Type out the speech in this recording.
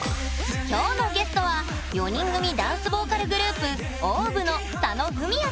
今日のゲストは４人組ダンスボーカルグループＯＷＶの佐野文哉さん！